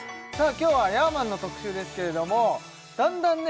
今日はヤーマンの特集ですけれどもだんだんね